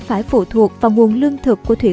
phải phụ thuộc vào nguồn lương thực của thủy